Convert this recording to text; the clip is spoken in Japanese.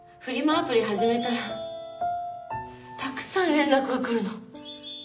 アプリ始めたらたくさん連絡が来るの。